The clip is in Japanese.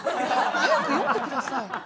早く読んで下さい。